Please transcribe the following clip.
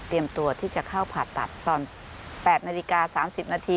ตัวที่จะเข้าผ่าตัดตอน๘นาฬิกา๓๐นาที